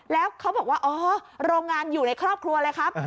แล้วเขาบอกว่าอ๋อโรงงานอยู่ในครอบครัวเลยครับ